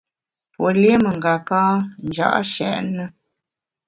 Pue lié mengaka nja’ nshèt ne.